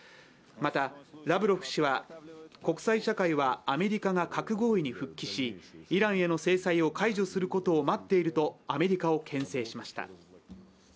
またラブロフ氏は国際社会はアメリカが核合意に復帰しイランへの制裁を解除することを待っているとアメリカをけん制しました。